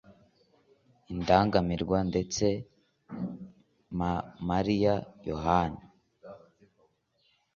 Indangamirwa ndetse ma Mariya Yohana